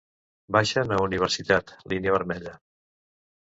Baixen a Universitat, línia vermella.